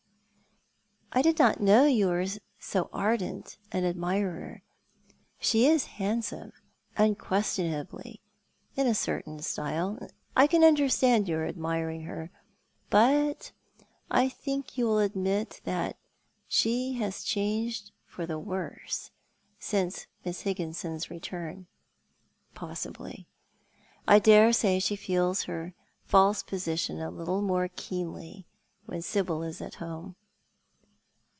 " I did not know you were so ardent an admirer. She is handsome, unquestionably — in a certain style — and I can under stand your admiring her. But I think you will admit that she has changed for the worse since Miss Higginson's return." " Possibly. I dare say she feels her false position a little more keenly when Sibyl is at home."